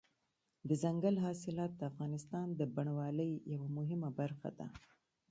دځنګل حاصلات د افغانستان د بڼوالۍ یوه مهمه برخه ده.